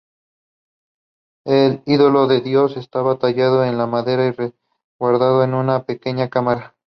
El ídolo del dios estaba tallado en madera y resguardado en una pequeña cámara.